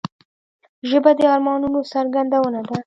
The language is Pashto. ژبه د ارمانونو څرګندونه ده